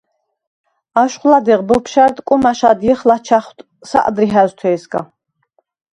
აშხვ ლადეღ ბოფშა̈რდ კუმა̈შ ადჲეხ ლაჩა̈ხვდ საყდრი ჰა̈ზვთე̄სგა.